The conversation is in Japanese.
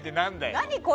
何これ？